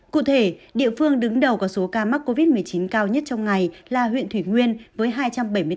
cụ thể địa phương đứng đầu có số ca mắc covid một mươi chín cao nhất trong ngày là huyện thủy nguyên với hai trăm bảy mươi tám ca